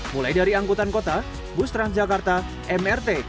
mulai dari angkutan kota bustrans jakarta mrt